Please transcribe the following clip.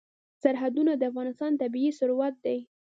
سرحدونه د افغانستان طبعي ثروت دی.